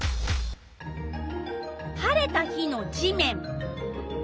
晴れた日の地面。